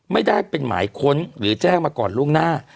ไม่ได้เป็นหมายค้นหรือแจ้งมาก่อนล่วงหน้า